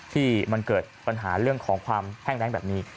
ที่มันเกิดปัญหาเรื่องของความแห้งแรงแบบนี้